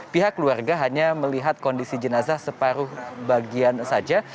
pihak keluarga hanya melihat kondisi jenazah separuh bagian saja